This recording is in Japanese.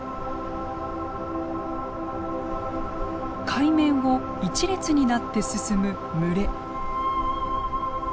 海面を一列になって進む群れ。